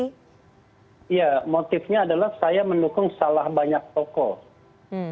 iya motifnya adalah saya mendukung salah banyak tokoh